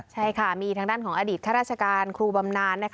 ใช่ค่ะมีทางด้านของอดีตข้าราชการครูบำนาน